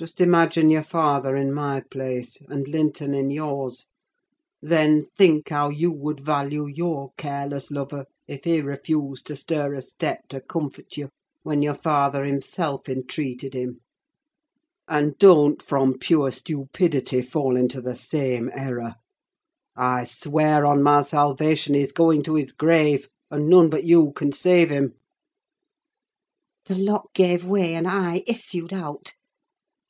Just imagine your father in my place, and Linton in yours; then think how you would value your careless lover if he refused to stir a step to comfort you, when your father himself entreated him; and don't, from pure stupidity, fall into the same error. I swear, on my salvation, he's going to his grave, and none but you can save him!" The lock gave way and I issued out.